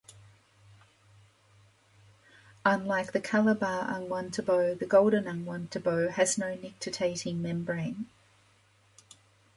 Unlike the Calabar angwantibo, the golden angwantibo has no nictitating membrane.